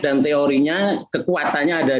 dan teorinya kekuatannya ada